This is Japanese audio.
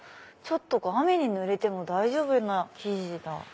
雨にぬれても大丈夫な生地だ。